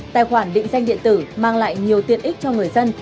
tài khoản định danh điện tử mang lại nhiều tiện ích cho người dân